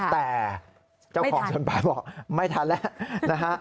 แต่เจ้าของชนป้ายบอกไม่ทันแล้วนะฮะ